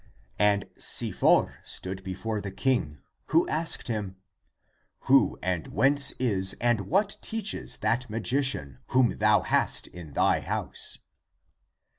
And Si for stood before the king, who asked him, " Who and whence is and what teaches that magician whom thou hast in thy house